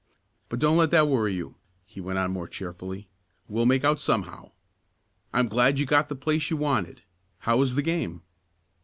But don't let that worry you," he went on more cheerfully. "We'll make out somehow. I'm glad you got the place you wanted. How was the game?"